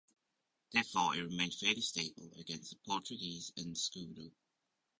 Thereafter, it remained fairly stable against the Portuguese escudo.